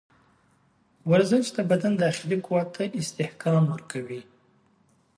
ورزش د بدن داخلي قوت ته استحکام ورکوي.